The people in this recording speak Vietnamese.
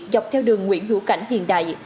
dọc theo đường nguyện hữu cảnh hiện đại